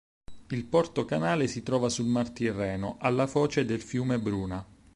Il porto-canale si trova sul mar Tirreno alla foce del fiume Bruna.